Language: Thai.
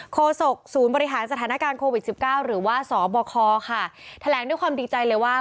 โศกศูนย์บริหารสถานการณ์โควิด๑๙หรือว่าสบคค่ะแถลงด้วยความดีใจเลยว่า